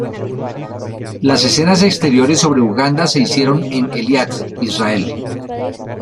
Las escenas exteriores sobre Uganda se hicieron en Eilat, Israel.